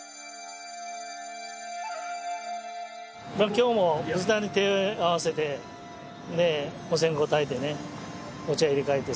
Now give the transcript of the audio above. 今日も仏壇に手合わせてお線香たいてねお茶入れ替えてさ